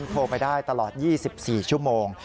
โทรไปได้ตลอด๒๔ชั่วโมง